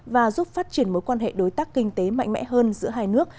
và giúp phát triển mối quan hệ đối tác kinh tế mạnh mẽ hơn giữa hai nước